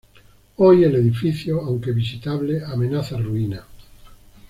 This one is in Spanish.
Hoy el edificio, aunque visitable, amenaza ruina.